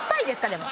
でも。